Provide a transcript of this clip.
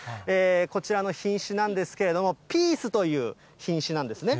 こちらの品種なんですけれども、ピースという品種なんですね。